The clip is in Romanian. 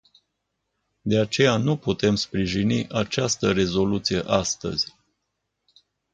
De aceea nu putem sprijini această rezoluție astăzi.